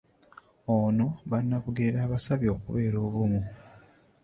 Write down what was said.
Ono Bannabugerere abasabye okubeera obumu.